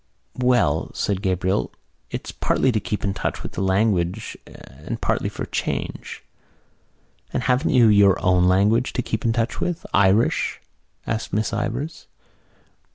"Well," said Gabriel, "it's partly to keep in touch with the languages and partly for a change." "And haven't you your own language to keep in touch with—Irish?" asked Miss Ivors.